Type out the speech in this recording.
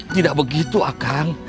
tidak begitu akang